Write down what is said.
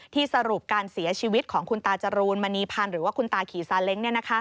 สรุปการเสียชีวิตของคุณตาจรูนมณีพันธ์หรือว่าคุณตาขี่ซาเล้ง